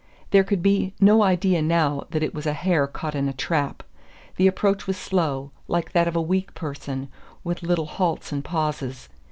There could be no idea now that it was a hare caught in a trap. The approach was slow, like that of a weak person, with little halts and pauses.